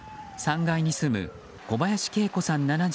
３階に住む小林恵子さん